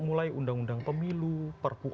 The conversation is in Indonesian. mulai undang undang pemilu perpu